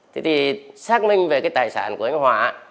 thế thì xác minh về cái tài sản của anh hòa